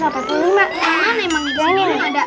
karena memang disini ada